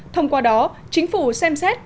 thông qua đó chính phủ xem xét